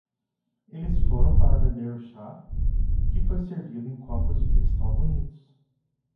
Eles foram para beber o chá? que foi servido em copos de cristal bonitos.